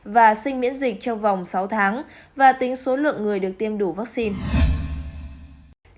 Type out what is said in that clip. và sinh miễn dịch trong vòng sáu tháng và tính số lượng người được tiêm đủ vaccine